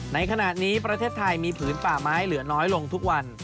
ในขณะนี้ประเทศไทยมีผืนป่าไม้เหลือน้อยลงทุกวัน